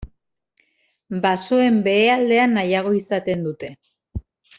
Basoen behealdea nahiago izaten dute.